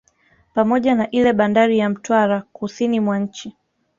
Pamoja na ile bandari ya Mtwara kusini mwa nchi